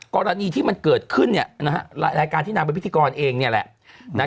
กรณีที่มันเกิดขึ้นรายการที่นางเป็นพิธีกรเองเนี่ยแหละ